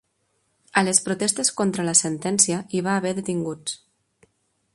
A les protestes contra la sentència hi va haver detinguts